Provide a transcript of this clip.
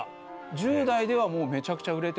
１０代ではもうめちゃくちゃ売れてて。